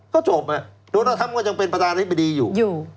ก็จบแล้วโดนออธรรมก็ยังเป็นประธานาธิบดีอยู่